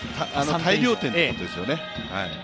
大量点ということですよね。